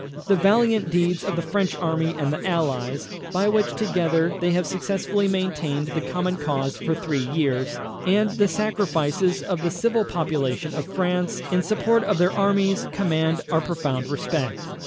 The valiant deeds of the French Army and the Allies, by which together they have successfully maintained the common cause for three years, and the sacrifices of the civil population of France in support of their armies command our profound respect.